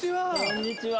こんにちは。